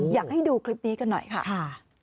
อยากให้ดูคลิปนี้กันหน่อยค่ะ